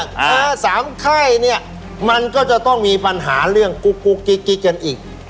ถ้าสามไข้เนี่ยมันก็จะต้องมีปัญหาเรื่องกุ๊กกิ๊กกันอีก